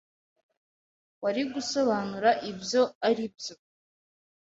Wari gusobanura ibyo aribyo?